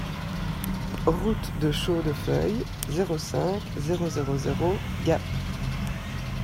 Route de Chaudefeuille, zéro cinq, zéro zéro zéro Gap